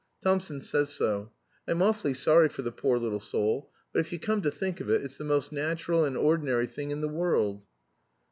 Thompson says so. I'm awfully sorry for the poor little soul, but if you come to think of it, it's the most natural and ordinary thing in the world."